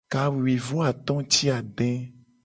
Kawuivoato ti ade.